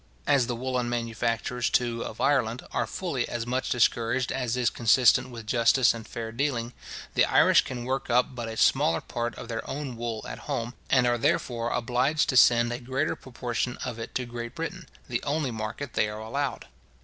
As the woollen manufactures, too, of Ireland, are fully as much discouraged as is consistent with justice and fair dealing, the Irish can work up but a smaller part of their own wool at home, and are therefore obliged to send a greater proportion of it to Great Britain, the only market they are allowed.